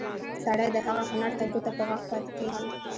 سړی د هغه هنر ته ګوته په غاښ پاتې کېږي.